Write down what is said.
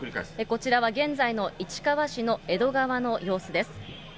こちらは現在の市川市の江戸川の様子です。